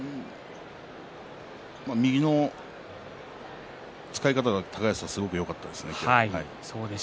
右の使い方が高安はすごくよかったですね。